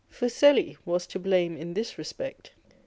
Fuseli was to blame in this respect.